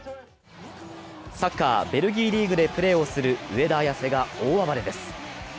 サッカー、ベルギーリーグでプレーする上田綺世が大暴れです。